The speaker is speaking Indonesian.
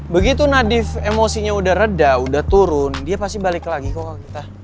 begitu nadif emosinya udah reda udah turun dia pasti balik lagi ke kita